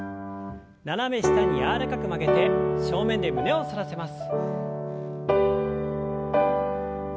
斜め下に柔らかく曲げて正面で胸を反らせます。